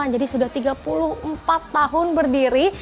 jadi sudah tiga puluh empat tahun berdiri